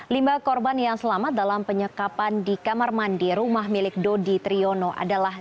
lima korban yang selamat dalam penyekapan di kamar mandi rumah milik dodi triyono adalah